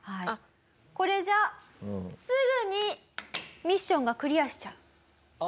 これじゃすぐにミッションがクリアしちゃう。